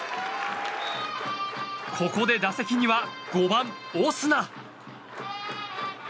ここで打席には５番、オスナ。